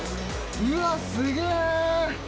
うわすげぇ！